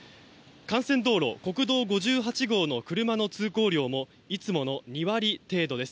幹線道路、国道５８号の車の通行量もいつもの２割程度です。